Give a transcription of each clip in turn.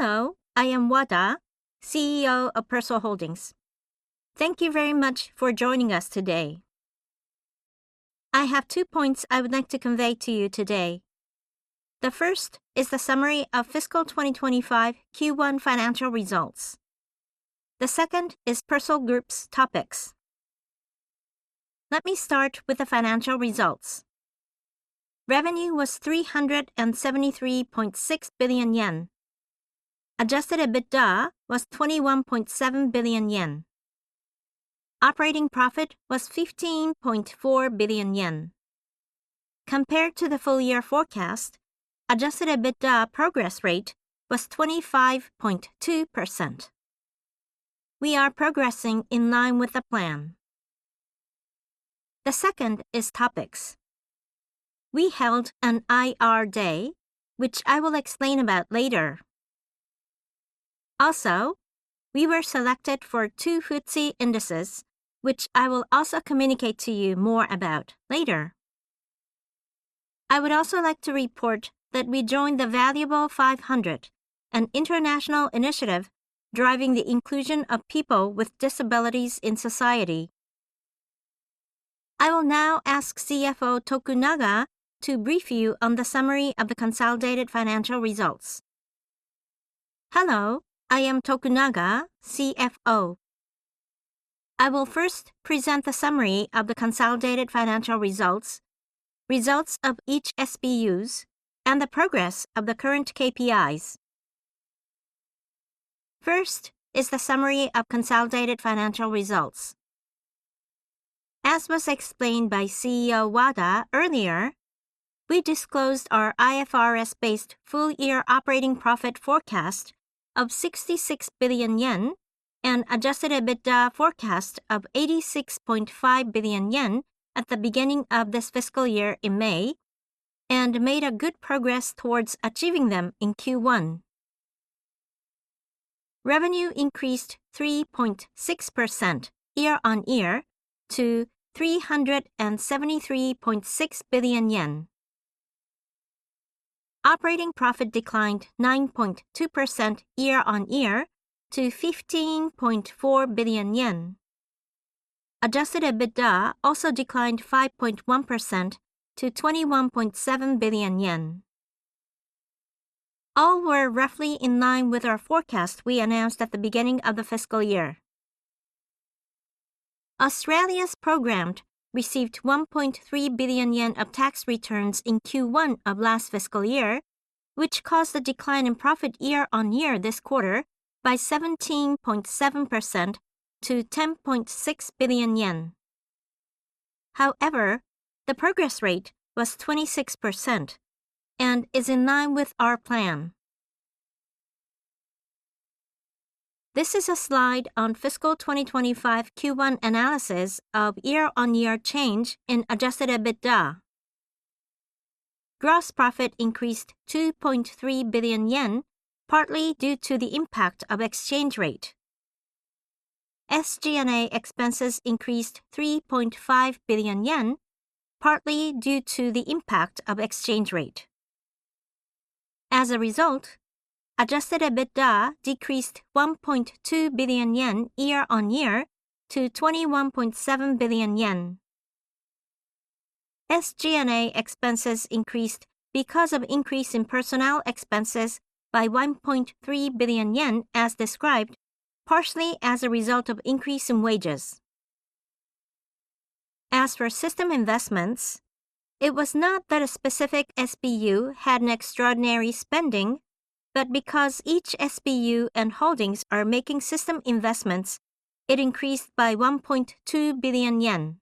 Hello, I am Wada, CEO of Persol Holdings. Thank you very much for joining us today. I have two points I would like to convey to you today. The first is the summary of Fiscal 2025 Q1 Financial Results. The second is Persol Group's topics. Let me start with the financial results. Revenue was 373.6 billion yen. Adjusted EBITDA was 21.7 billion yen. Operating profit was 15.4 billion yen. Compared to the full-year forecast, adjusted EBITDA progress rate was 25.2%. We are progressing in line with the plan. The second is CapEx. We held an IR Day, which I will explain about later. Also, we were selected for two FTSE indices, which I will also communicate to you more about later. I would also like to report that we joined The Valuable 500, an international initiative driving the inclusion of people with disabilities in society. I will now ask CFO Tokunaga to brief you on the summary of the consolidated financial results. Hello, I am Tokunaga, CFO. I will first present the summary of the consolidated financial results, results of each SBUs, and the progress of the current KPIs. First is the summary of consolidated financial results. As was explained by CEO Wada earlier, we disclosed our IFRS-based full-year operating profit forecast of ¥66 billion and adjusted EBITDA forecast of 86.5 billion yen at the beginning of this fiscal year in May, and made good progress towards achieving them in Q1. Revenue increased 3.6% year-on-year to JPY 373.6 billion. Operating profit declined 9.2% year-on-year to 15.4 billion yen. Adjusted EBITDA also declined 5.1% to 21.7 billion yen. All were roughly in line with our forecast we announced at the beginning of the Fiscal Year. Australia's Programmed received 1.3 billion yen of tax returns in Q1 of last fiscal year, which caused a decline in profit year-on-year this quarter by 17.7% to 10.6 billion yen. However, the progress rate was 26% and is in line with our plan. This is a slide on Fiscal 2025 Q1 analysis of year-on-year change in adjusted EBITDA. Gross profit increased 2.3 billion yen, partly due to the impact of exchange rate. SG&A expenses increased 3.5 billion yen, partly due to the impact of exchange rate. As a result, adjusted EBITDA decreased 1.2 billion yen year-on-year to 21.7 billion yen. SG&A expenses increased because of an increase in personnel expenses by 1.3 billion yen as described, partially as a result of an increase in wages. As for system investments, it was not that a specific SBU had extraordinary spending, but because each SBU and Holdings are making system investments, it increased by 1.2 billion yen.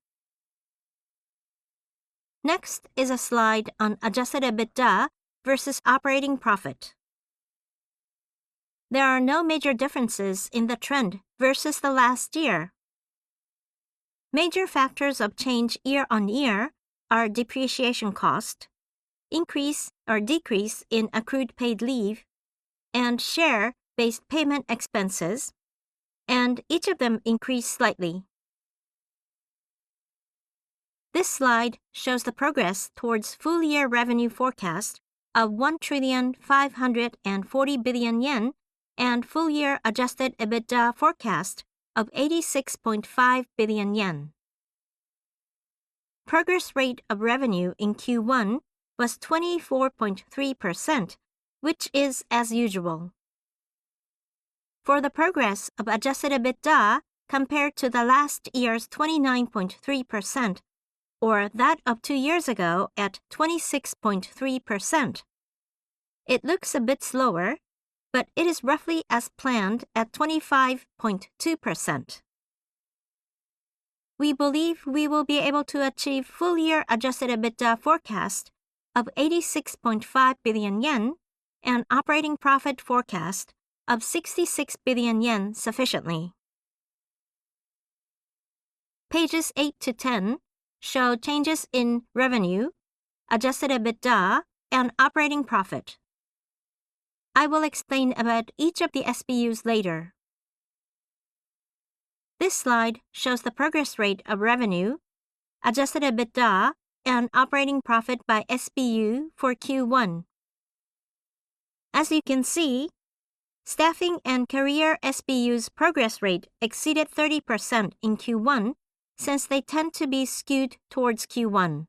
Next is a slide on adjusted EBITDA versus operating profit. There are no major differences in the trend versus last year. Major factors of change year-on-year are depreciation cost, increase or decrease in accrued paid leave, and share-based payment expenses, and each of them increased slightly. This slide shows the progress towards full-year revenue forecast of 1,540,000,000 yen, and full-year adjusted EBITDA forecast of 86.5 billion yen. Progress rate of revenue in Q1 was 24.3%, which is as usual. For the progress of adjusted EBITDA compared to last year's 29.3%, or that of two years ago at 26.3%, it looks a bit slower, but it is roughly as planned at 25.2%. We believe we will be able to achieve full-year adjusted EBITDA forecast of 86.5 billion yen and operating profit forecast of 66 billion yen sufficiently. Pages 8 to 10 show changes in revenue, adjusted EBITDA, and operating profit. I will explain about each of the SBUs later. This slide shows the progress rate of revenue, adjusted EBITDA, and operating profit by SBU for Q1. As you can see, Staffing and Career SBUs' progress rate exceeded 30% in Q1 since they tend to be skewed towards Q1.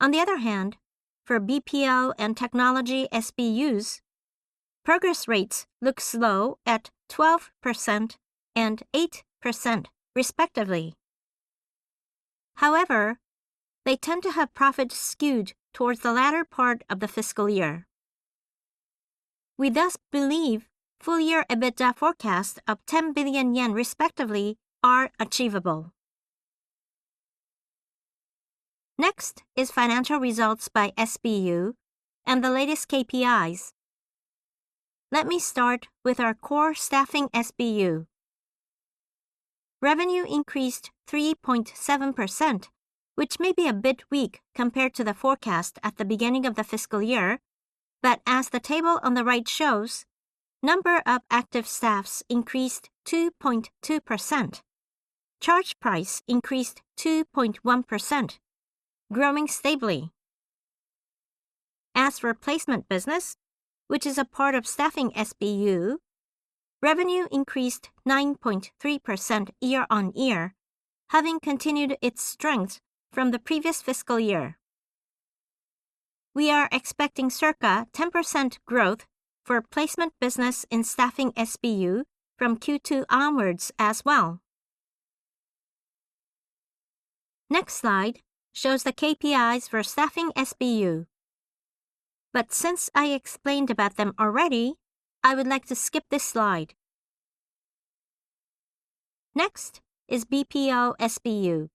On the other hand, for BPO and Technology SBUs, progress rates look slow at 12% and 8% respectively. However, they tend to have profits skewed towards the latter part of the fiscal year. We thus believe full-year EBITDA forecast of 10 billion yen respectively are achievable. Next is financial results by SBU and the latest KPIs. Let me start with our core Staffing SBU. Revenue increased 3.7%, which may be a bit weak compared to the forecast at the beginning of the fiscal year, but as the table on the right shows, number of active staff increased 2.2%. Charge price increased 2.1%, growing stably. As for placement business, which is a part of Staffing SBU, revenue increased 9.3% year-on-year, having continued its strength from the previous fiscal year. We are expecting circa 10% growth for placement business in Staffing SBU from Q2 onwards as well. Next slide shows the KPIs for Staffing SBU, but since I explained about them already, I would like to skip this slide. Next is BPO SBU.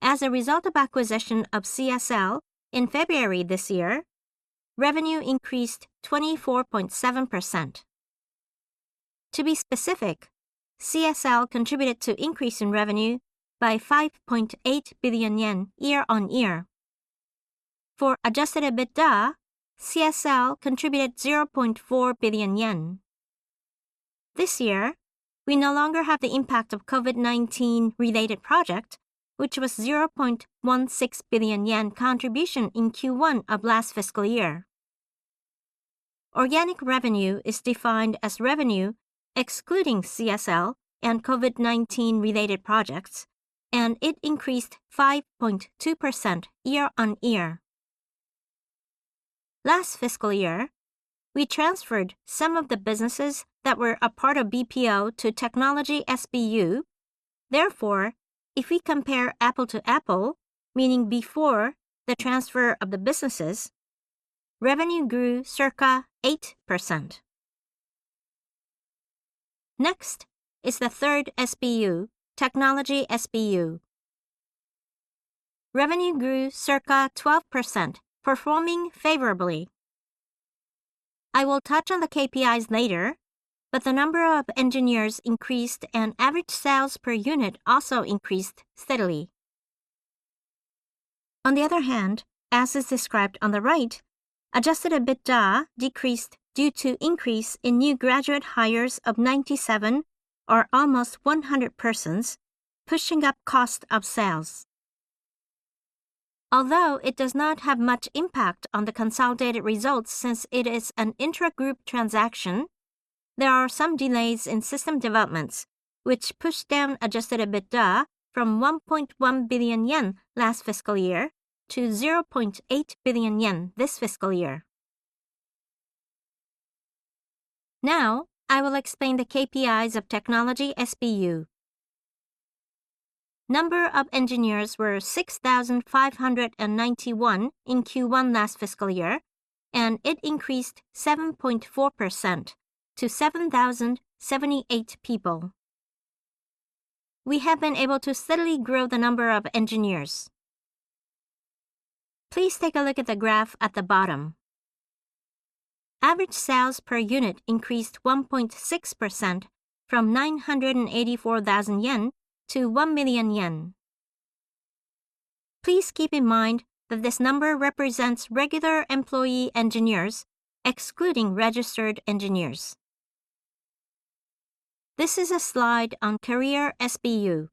As a result of acquisition of CSL in February this year, revenue increased 24.7%. To be specific, CSL contributed to an increase in revenue by 5.8 billion yen year-on-year. For adjusted EBITDA, CSL contributed 0.4 billion yen. This year, we no longer have the impact of COVID-19-related projects, which was a 0.16 billion yen contribution in Q1 of last fiscal year. Organic revenue is defined as revenue excluding CSL and COVID-19-related projects, and it increased 5.2% year-on-year. Last fiscal year, we transferred some of the businesses that were a part of BPO to Technology SBU. Therefore, if we compare apple to apple, meaning before the transfer of the businesses, revenue grew circa 8%. Next is the third SBU, Technology SBU. Revenue grew circa 12%, performing favorably. I will touch on the KPIs later, but the number of engineers increased and average sales per unit also increased steadily. On the other hand, as is described on the right, adjusted EBITDA decreased due to an increase in new graduate hires of 97 or almost 100 persons, pushing up cost of sales. Although it does not have much impact on the consolidated results since it is an intra-group transaction, there are some delays in system developments, which pushed down adjusted EBITDA from 1.1 billion yen last fiscal year to 0.8 billion yen this fiscal year. Now, I will explain the KPIs of Technology SBU. Number of engineers were 6,591 in Q1 last fiscal year, and it increased 7.4% to 7,078 people. We have been able to steadily grow the number of engineers. Please take a look at the graph at the bottom. Average sales per unit increased 1.6% from 984,000 yen to 1 million yen. Please keep in mind that this number represents regular employee engineers excluding registered engineers. This is a slide on Career SBU.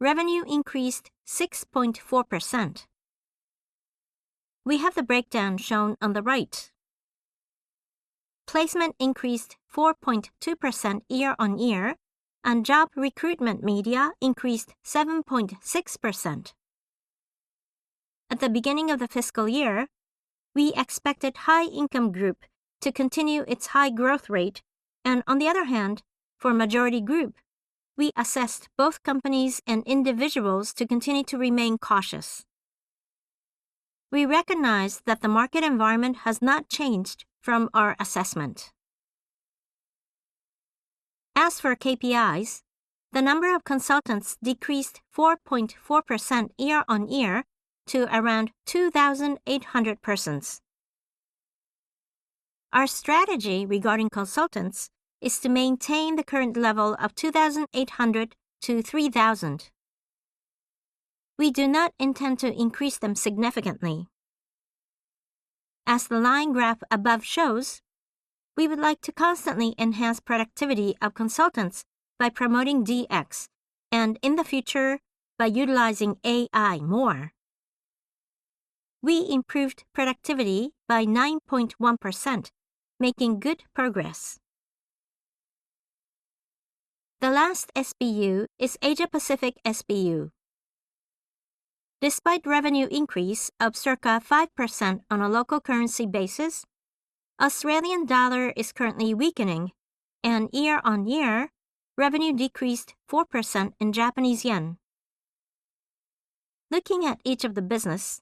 Revenue increased 6.4%. We have the breakdown shown on the right. Placement increased 4.2% year-on-year, and job recruitment media increased 7.6%. At the beginning of the fiscal year, we expected the high-income group to continue its high growth rate. On the other hand, for the majority group, we assessed both companies and individuals to continue to remain cautious. We recognize that the market environment has not changed from our assessment. As for KPIs, the number of consultants decreased 4.4% year-on-year to around 2,800 persons. Our strategy regarding consultants is to maintain the current level of 2,800-3,000. We do not intend to increase them significantly. As the line graph above shows, we would like to constantly enhance the productivity of consultants by promoting DX, and in the future, by utilizing AI more. We improved productivity by 9.1%, making good progress. The last SBU is Asia Pacific SBU. Despite a revenue increase of circa 5% on a local currency basis, the Australian dollar is currently weakening, and year-on-year, revenue decreased 4% in Japanese yen. Looking at each of the businesses,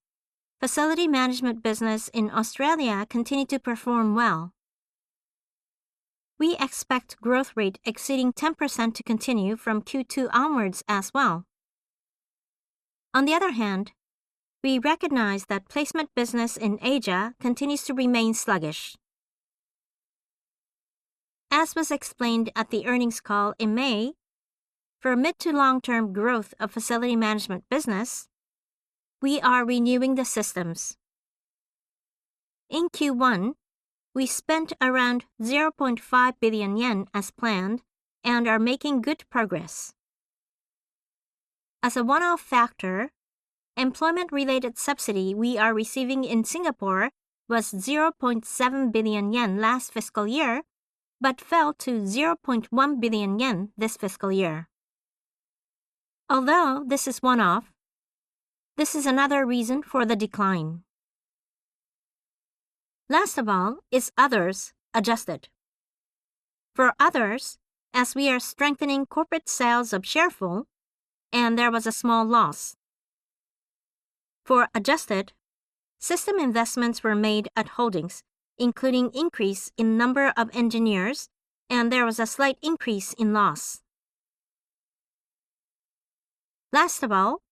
facility management businesses in Australia continue to perform well. We expect the growth rate exceeding 10% to continue from Q2 onwards as well. On the other hand, we recognize that placement business in Asia continues to remain sluggish. As was explained at the earnings call in May, for mid-to-long-term growth of the facility management business, we are renewing the systems. In Q1, we spent around 0.5 billion yen as planned and are making good progress. As a one-off factor, the employment-related subsidy we are receiving in Singapore was 0.7 billion yen last fiscal year, but fell to 0.1 billion yen this fiscal year. Although this is one-off, this is another reason for the decline. Last of all is others adjusted. For others, as we are strengthening corporate sales of ShareFul and there was a small loss. For adjusted, system investments were made at Holdings, including an increase in the number of engineers and there was a slight increase in loss. Last of all,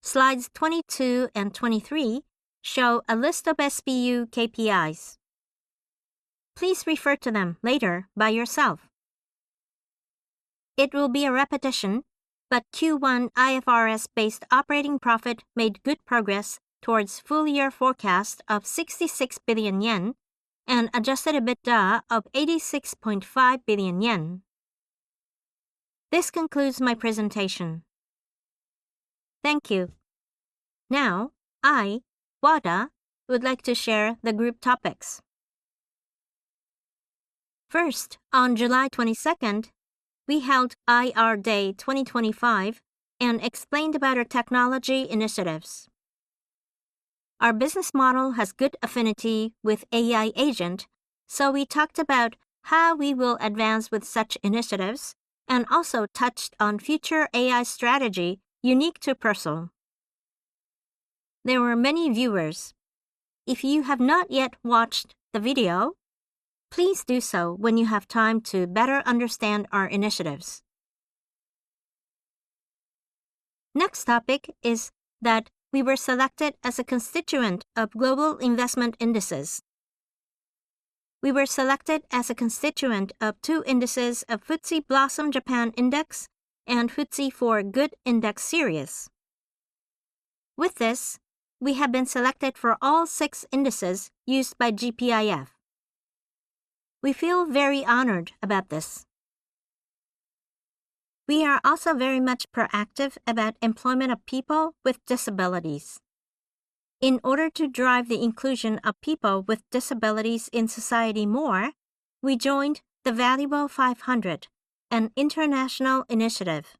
slides 22 and 23 show a list of SBU KPIs. Please refer to them later by yourself. It will be a repetition, but Q1 IFRS-based operating profit made good progress towards the full-year forecast of 66 billion yen and adjusted EBITDA of 86.5 billion yen. This concludes my presentation. Thank you. Now, I, Wada, would like to share the group topics. First, on July 22nd, we held IR Day 2025 and explained about our technology initiatives. Our business model has good affinity with AI agents, so we talked about how we will advance with such initiatives and also touched on a future AI strategy unique to Persol. There were many viewers. If you have not yet watched the video, please do so when you have time to better understand our initiatives. Next topic is that we were selected as a constituent of global investment indices. We were selected as a constituent of two indices of the FTSE Blossom Japan Index and the FTSE4Good Index Series. With this, we have been selected for all six indices used by GPIF. We feel very honored about this. We are also very much proactive about the employment of people with disabilities. In order to drive the inclusion of people with disabilities in society more, we joined The Valuable 500, an international initiative.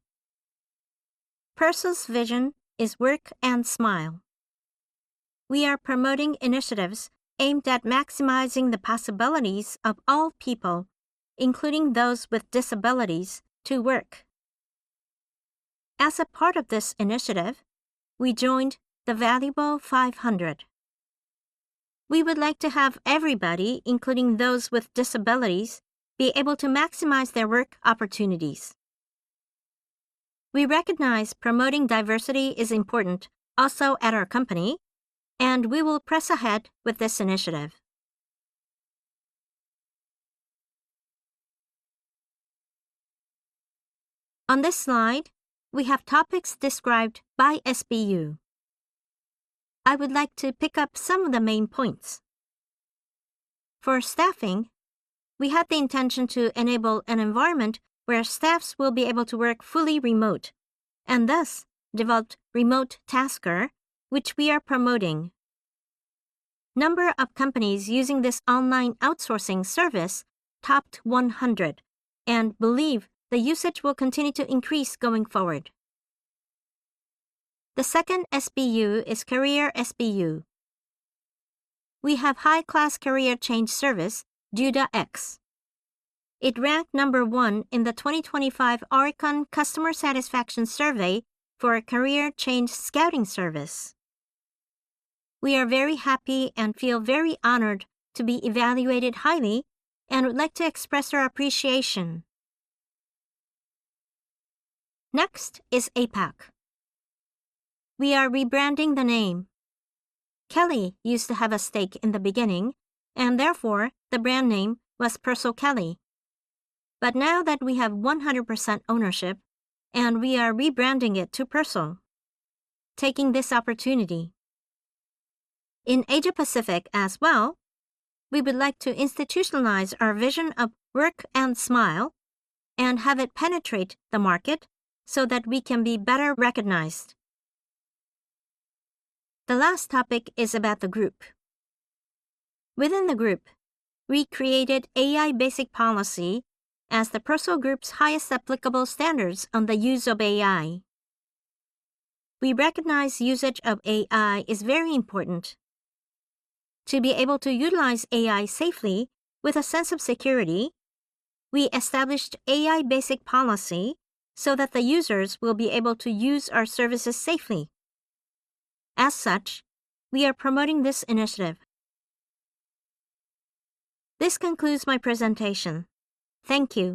Persol's vision is work and smile. We are promoting initiatives aimed at maximizing the possibilities of all people, including those with disabilities, to work. As a part of this initiative, we joined The Valuable 500. We would like to have everybody, including those with disabilities, be able to maximize their work opportunities. We recognize promoting diversity is important also at our company, and we will press ahead with this initiative. On this slide, we have topics described by SBU. I would like to pick up some of the main points. For Staffing, we had the intention to enable an environment where staff will be able to work fully remote, and thus developed Remote Tasker, which we are promoting. The number of companies using this online outsourcing service topped 100 and believe the usage will continue to increase going forward. The second SBU is Career SBU. We have a high-class career change service, DudaX. It ranked number one in the 2025 ORICON Customer Satisfaction Survey for a career change scouting service. We are very happy and feel very honored to be evaluated highly and would like to express our appreciation. Next is Asia Pacific. We are rebranding the name. Kelly used to have a stake in the beginning, and therefore the brand name was Persol Kelly. Now that we have 100% ownership, we are rebranding it to Persol, taking this opportunity. In Asia Pacific as well, we would like to institutionalize our vision of work and smile and have it penetrate the market so that we can be better recognized. The last topic is about the group. Within the group, we created AI Basic Policy as the Persol Group's highest applicable standards on the use of AI. We recognize usage of AI is very important. To be able to utilize AI safely with a sense of security, we established AI Basic Policy so that the users will be able to use our services safely. As such, we are promoting this initiative. This concludes my presentation. Thank you.